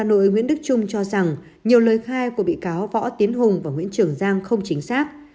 hà nội nguyễn đức trung cho rằng nhiều lời khai của bị cáo võ tiến hùng và nguyễn trường giang không chính xác